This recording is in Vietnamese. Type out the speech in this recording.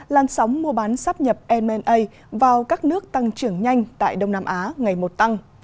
lan sóng mua bán sắp nhập m a vào các nước tăng trưởng nhanh tại đông nam á ngày một tăng